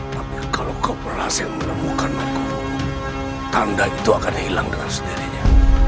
tapi kalau kau berhasil menemukan aku tanda itu akan hilang dengan sendirinya